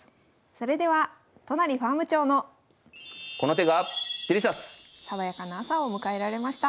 それでは都成ファーム長の爽やかな朝を迎えられました。